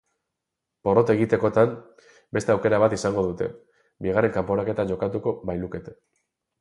Porrot egitekotan, beste aukera bat izango dute, bigarren kanporaketa jokatuko bailukete.